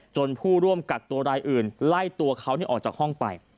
ผู้ร่วมกักตัวรายอื่นไล่ตัวเขาออกจากห้องไป